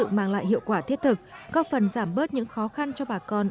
với sự mang lại hiệu quả thiết thực có phần giảm bớt những khó khăn cho bà con